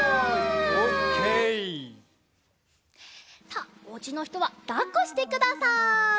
さあおうちのひとはだっこしてください。